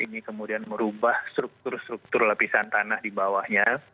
ini kemudian merubah struktur struktur lapisan tanah di bawahnya